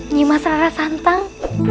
nyimah selera santang